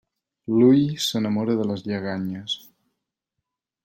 L'ull s'enamora de les lleganyes.